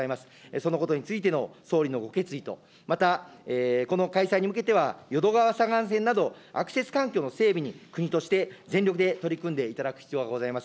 そのことについての総理のご決意と、また、この開催に向けては、淀川左岸線など、アクセス環境の整備に国として全力で取り組んでいただく必要がございます。